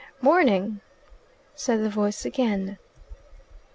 "Morning!" said the voice again.